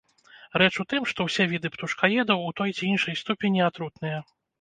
Рэч у тым, што ўсе віды птушкаедаў у той ці іншай ступені атрутныя.